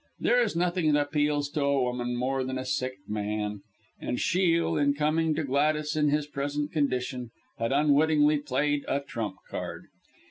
There is nothing that appeals to a woman more than a sick man, and Shiel, in coming to Gladys in his present condition, had unwittingly played a trump card.